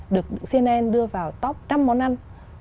được cnn đưa vào top năm món ăn